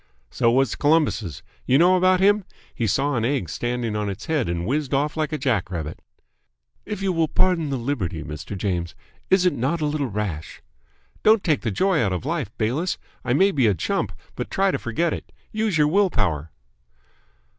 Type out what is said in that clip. "So was Columbus'. You know about him? He saw an egg standing on its head and whizzed off like a jack rabbit." "If you will pardon the liberty, Mr. James, is it not a little rash ?" "Don't take the joy out of life, Bayliss. I may be a chump, but try to forget it. Use your willpower."